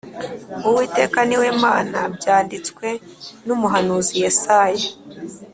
Uwiteka niwe mana byanditswe n’ umuhanuzi Yesaya